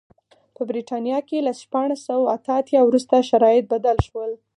په برېټانیا کې له شپاړس سوه اته اتیا وروسته شرایط بدل شول.